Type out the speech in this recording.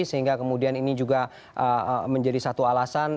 sehingga kemudian ini juga menjadi satu alasan